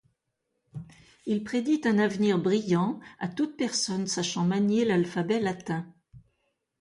Il prédit un avenir brillant à toute personne sachant manier l'alphabet latin.